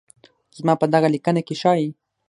زما په دغه ليکنه کې ښايي